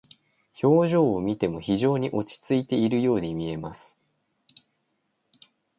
表情を見ても非常に落ち着いているように見えます。